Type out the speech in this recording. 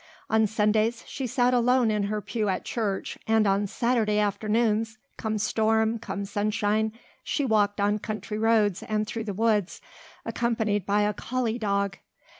On Sundays she sat alone in her pew at church and on Saturday afternoons, come storm, come sunshine, she walked on country roads and through the woods accompanied by a collie dog.